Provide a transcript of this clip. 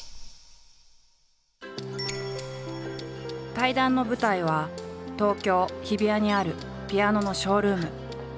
対談の舞台は東京日比谷にあるピアノのショールーム。